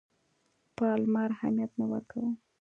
پالمر اهمیت نه ورکاوه.